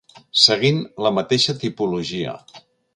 Seguint la mateixa tipologia.